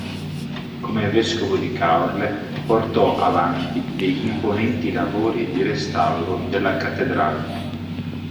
Come vescovo di Caorle portò avanti degli imponenti lavori di restauro della cattedrale.